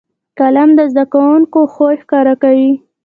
قلم د زده کوونکو خوی ښکاره کوي